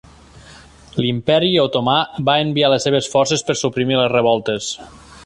L"Imperi Otomà va enviar les seves forces per suprimir les revoltes.